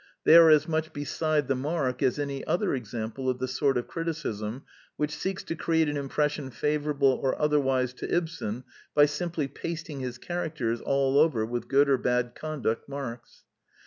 They are as much beside the mark as any other example of the sort of criticism which seeks to create an impres sion favorable or otherwise to Ibsen by simply pasting his characters all over with good or bad conduct marks.